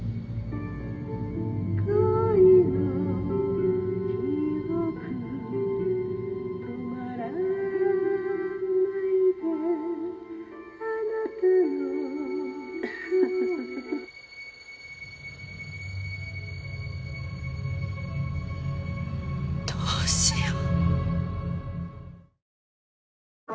「恋の記憶止まらないであなたの声」どうしよう！？